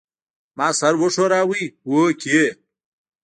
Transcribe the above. ما سر وښوراوه هوکې.